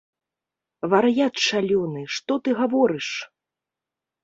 Вар'ят шалёны, што ты гаворыш?